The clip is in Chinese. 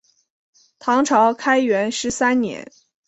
唐朝开元十三年。